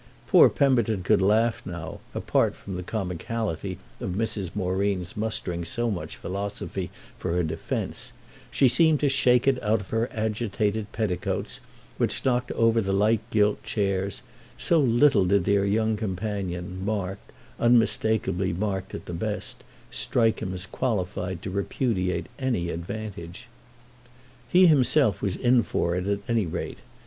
Poor Pemberton could laugh now, apart from the comicality of Mrs. Moreen's mustering so much philosophy for her defence—she seemed to shake it out of her agitated petticoats, which knocked over the light gilt chairs—so little did their young companion, marked, unmistakeably marked at the best, strike him as qualified to repudiate any advantage. He himself was in for it at any rate.